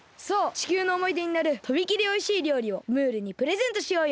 地球のおもいでになるとびきりおいしいりょうりをムールにプレゼントしようよ。